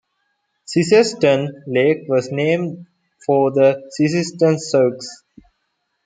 Sisseton Lake was named for the Sisseton Sioux.